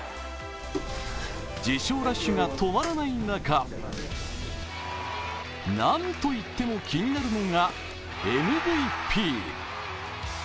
受賞ラッシュが止まらない中何と言っても気になるのがＭＶＰ。